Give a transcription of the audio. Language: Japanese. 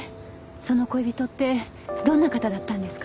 その恋人ってどんな方だったんですか？